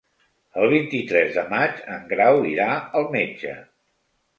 El vint-i-tres de maig en Grau irà al metge.